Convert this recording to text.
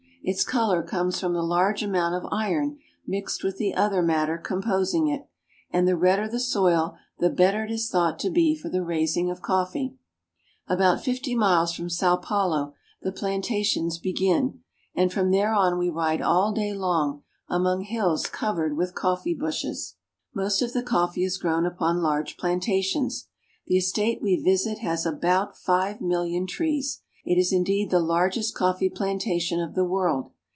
Its color comes from the large amount of iron mixed with the other matter composing it, and the redder the soil the bet ter it is thought to be for the raising of coffee. About fifty miles from Sao Paulo the plantations begin, and from there on we ride all day long among hills cov ered with coffee bushes. Most of the coffee is grown upon large plantations. The estate we visit has about five million trees. It is in deed the largest coffee plantation of the world.